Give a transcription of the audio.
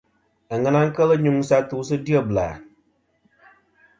Aŋena kel nyuŋsɨ atu sɨ dyebla.